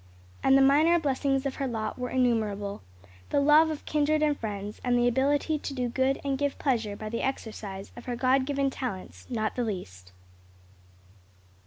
And the minor blessings of her lot were innumerable: the love of kindred and friends, and the ability to do good and give pleasure by the exercise of her God given talents, not the least.